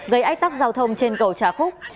gây ách tắc giao thông trên cầu trà khúc